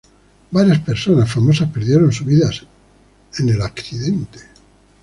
Varias personas famosas perdieron sus vidas en el accidente.